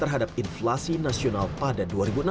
terhadap inflasi nasional pada dua ribu enam belas